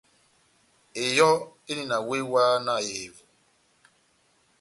Eyɔ́ endi na wéh wáhá na ehevo.